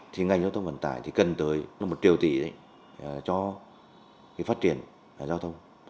thì ngành giao thông vận tải cần tới một triệu tỷ cho phát triển giao thông